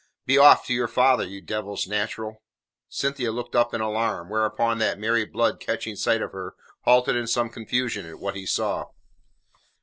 Be off to your father, you Devil's natural." Cynthia looked up in alarm, whereupon that merry blood catching sight of her, halted in some confusion at what he saw.